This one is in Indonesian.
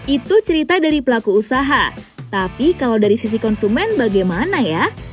itu cerita dari pelaku usaha tapi kalau dari sisi konsumen bagaimana ya